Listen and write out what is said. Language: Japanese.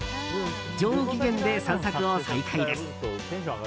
上機嫌で散策を再開です。